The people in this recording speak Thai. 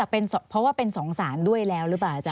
เพราะว่าเป็น๒สารด้วยแล้วหรือเปล่าอาจาร